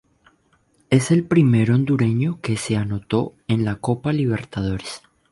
Es el primer hondureño que anotó en Copa Libertadores.